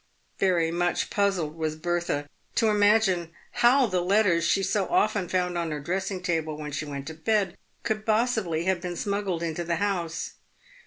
Yery much puzzled was Bertha to imagine how the letters she so often found on her dressing table when she went to bed could pos sibly have been smuggled into the house.